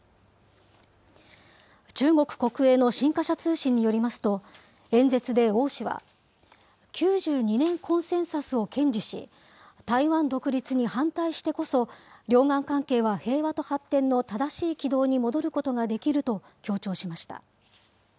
中国国営の新華社通信によりますと、演説で王氏は、９２年コンセンサスを堅持し、台湾独立に反対してこそ、両岸関係は平和と発展の正しい軌道に戻ることができると強調しました。